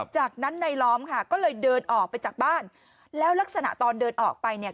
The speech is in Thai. จากนั้นนายล้อมค่ะก็เลยเดินออกไปจากบ้านแล้วลักษณะตอนเดินออกไปเนี่ย